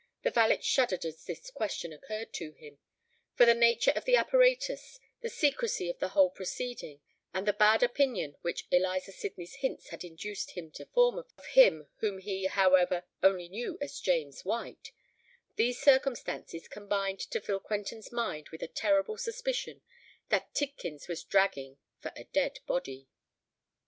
The valet shuddered as this question occurred to him;—for the nature of the apparatus, the secresy of the whole proceeding, and the bad opinion which Eliza Sydney's hints had induced him to form of him whom he, however, only knew as James White,—these circumstances combined to fill Quentin's mind with a terrible suspicion that Tidkins was dragging for a dead body.